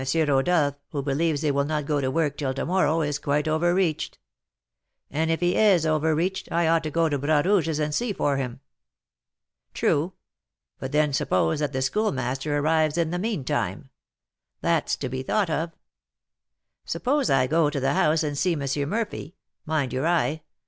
Rodolph, who believes they will not go to work till to morrow, is quite over reached; and if he is over reached, I ought to go to Bras Rouge's and see for him. True; but then suppose that the Schoolmaster arrives in the meantime, that's to be thought of. Suppose I go to the house and see M. Murphy, mind your eye!